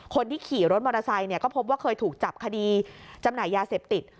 คนที่ขี่รถมอเตอร์ไซค์ก็พบว่าเคยถูกจับคดีจำหน่ายยาเสพติด